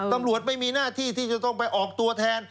ตำรวจไม่มีหน้าที่ที่จะต้องไปออกตัวแทน